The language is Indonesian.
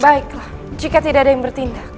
baiklah jika tidak ada yang bertindak